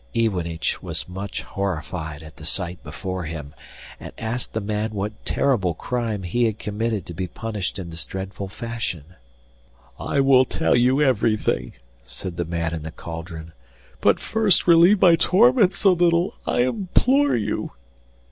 Iwanich was much horrified at the sight before him, and asked the man what terrible crime he had committed to be punished in this dreadful fashion. 'I will tell you everything,' said the man in the cauldron; 'but first relieve my torments a little, I implore you.